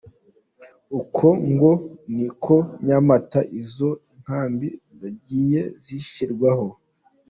Uko ngo ni ko Nyamata izo nkambi zagiye zishyirwaho.